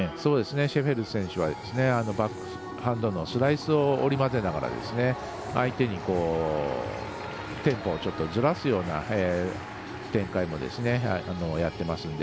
シェフェルス選手はバックハンドのスライスを織り交ぜながら相手にテンポをちょっとずらすような展開もやってますので。